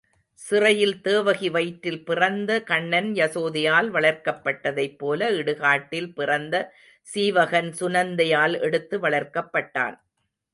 சிறையில் தேவகி வயிற்றில் பிறந்த கண்ணன் யசோதையால் வளர்க்கப்பட்டதைப் போல இடுகாட்டில் பிறந்த சீவகன் சுநந்தையால் எடுத்து வளர்க்கப்பட்டான்.